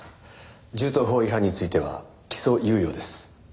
銃刀法違反については起訴猶予です。